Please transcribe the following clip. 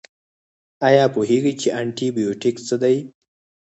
ایا پوهیږئ چې انټي بیوټیک څه دي؟